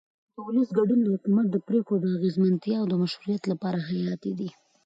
د ولس ګډون د حکومت د پرېکړو د اغیزمنتیا او مشروعیت لپاره حیاتي دی